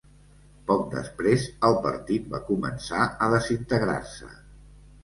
Poc després, el partit va començar a desintegrar-se.